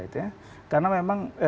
itu ya karena memang